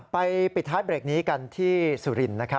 ไปปิดท้ายเบรกนี้กันที่สุรินทร์นะครับ